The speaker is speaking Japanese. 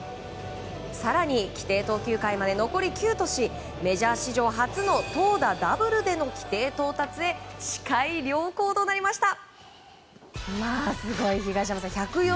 更に、規定投球回まで残り９としメジャー史上初の投打ダブルでの規定到達へ視界良好となりました。